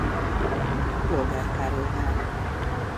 Polgár Károlynál.